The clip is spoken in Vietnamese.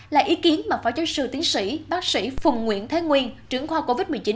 là ý kiến mà phó giáo sư tiến sĩ bác sĩ phùng nguyễn thái nguyên trưởng khoa covid một mươi chín